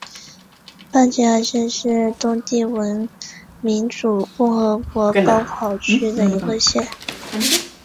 巴吉亚县是东帝汶民主共和国包考区的一个县。